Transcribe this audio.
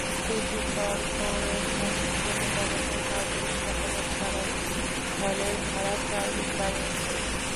City corporation কোনো ধরনের নাগরিক মতামত ছাড়াই হলের ভাড়া চার গুণ বাড়িয়েছে।